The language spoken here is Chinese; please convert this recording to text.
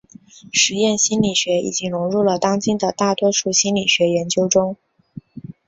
实验心理学已经融入了当今的大多数心理学研究中。